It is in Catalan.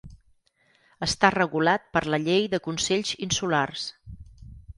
Està regulat per la Llei de Consells Insulars.